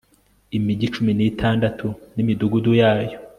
imigi cumi n'itandatu n'imidugudu yayo